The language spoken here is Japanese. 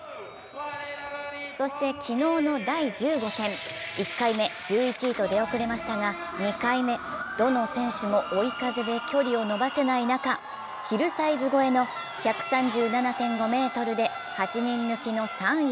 そして昨日の第１５戦、１回目、１１位と出遅れましたが２回目、どの選手も追い風で距離を伸ばせない中、ヒルサイズ越えの１３７．５ｍで８人抜きの３位。